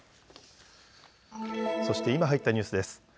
そして今入ったニュースです。